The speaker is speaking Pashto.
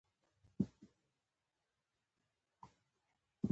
د تورې غرونو کیسه د تاریخ یوه برخه ده.